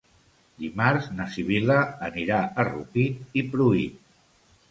Dimarts na Sibil·la anirà a Rupit i Pruit.